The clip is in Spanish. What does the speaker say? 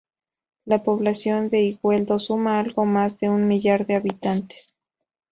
La población de Igueldo suma algo más de un millar de habitantes.